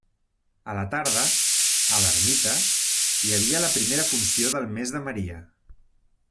A la tarda, a l'ermita, hi havia la primera funció del mes de Maria.